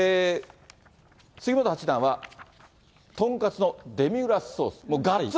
杉本八段は、とんかつのデミグラスソース。